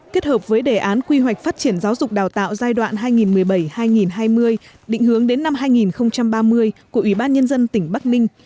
kết hợp với đề án quy hoạch phát triển giáo dục đào tạo giai đoạn hai nghìn một mươi bảy hai nghìn hai mươi định hướng đến năm hai nghìn ba mươi của ủy ban nhân dân tỉnh bắc ninh